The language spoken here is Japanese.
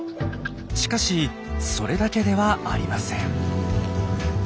しかしそれだけではありません。